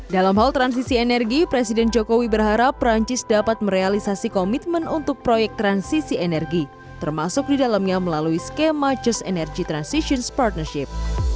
dalam hal transisi energi presiden jokowi berharap perancis dapat merealisasi komitmen untuk proyek transisi energi termasuk di dalamnya melalui skema just energy transitions partnership